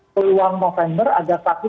peluang november ada satu